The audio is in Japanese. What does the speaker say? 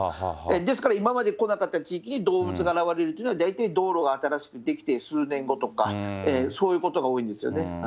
ですから今まで来なかった地域に動物が現れるというのは、大体道路が新しく出来て数年後とか、そういうことが多いんですよ